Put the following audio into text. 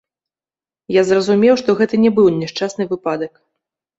Я зразумеў, што гэта не быў няшчасны выпадак.